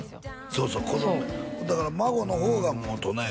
そうそう子供や「だから孫の方がもう大人や」